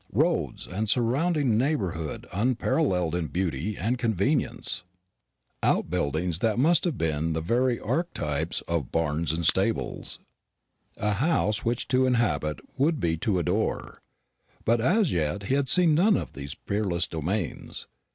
roads and surrounding neighbourhood unparalleled in beauty and convenience outbuildings that must have been the very archetypes of barns and stables a house which to inhabit would be to adore. But as yet he had seen none of these peerless domains.